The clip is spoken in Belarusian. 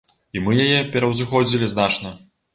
І мы яе пераўзыходзілі значна.